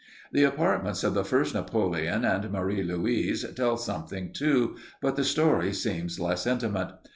The apartments of the first Napoleon and Marie Louise tell something, too, but the story seems less intimate.